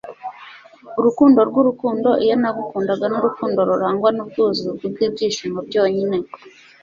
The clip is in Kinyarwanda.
urukundo rwurukundo iyo nagukundaga nurukundo rurangwa n'ubwuzu, kubwibyishimo byonyine